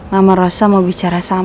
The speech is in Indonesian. mama rosa mau bicara sama kamu